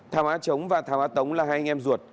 thảo a chống và thảo a tống là hai nhân